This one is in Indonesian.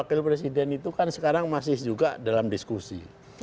wakil presiden itu kan sekarang masih juga dalam diskusi